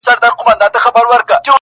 ويني ته مه څښه اوبه وڅښه.